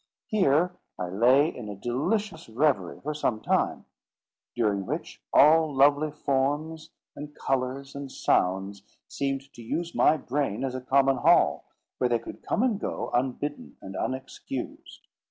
Here I lay in a delicious reverie for some time; during which all lovely forms, and colours, and sounds seemed to use my brain as a common hall, where they could come and go, unbidden and unexcused.